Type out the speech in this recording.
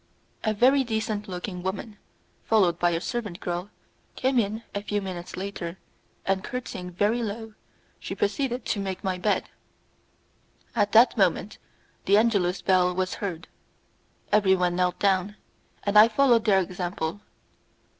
A very decent looking woman, followed by a servant girl, came in a few minutes after, and curtsying very low, she proceeded to make my bed. At that moment the Angelus bell was heard; everyone knelt down, and I followed their example.